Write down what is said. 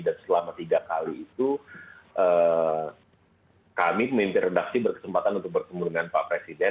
dan selama tiga kali itu kami memimpin redaksi berkesempatan untuk bertemu dengan pak presiden